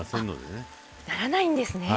あっならないんですね。